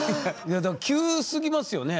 急すぎますよね？